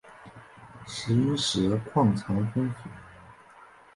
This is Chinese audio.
石英石矿藏丰富。